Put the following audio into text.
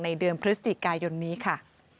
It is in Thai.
เดือนพฤศจิกายนนี้ค่ะ